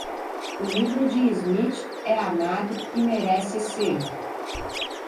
O livro de Smith é amado e merece ser.